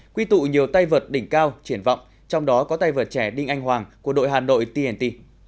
quy tụ nhiều tay vượt đỉnh cao triển vọng trong đó có tay vợt trẻ đinh anh hoàng của đội hà nội tnt